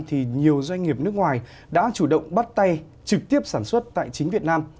thì nhiều doanh nghiệp nước ngoài đã chủ động bắt tay trực tiếp sản xuất tại chính việt nam